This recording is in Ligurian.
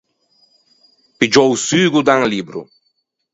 Piggiâ o sugo da un libbro.